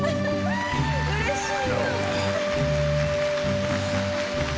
うれしい！